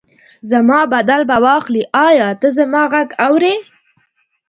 زما بدل به واخلي، ایا ته زما غږ اورې؟